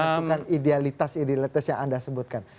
menentukan idealitas idealitas yang anda sebutkan